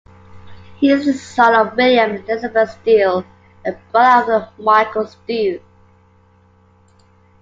He is the son of William and Elizabeth Steel, and brother of Michael Steel.